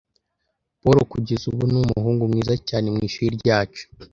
Paul kugeza ubu ni umuhungu mwiza cyane mwishuri ryacu.